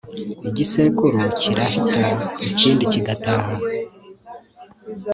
igisekuru kirahita, ikindi kigataha